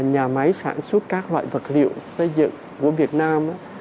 nhà máy sản xuất các loại vật liệu xây dựng của việt nam